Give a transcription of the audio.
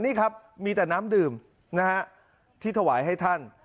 นี่ครับมีแต่น้ำดื่มนะฮะที่ถวายให้ท่าน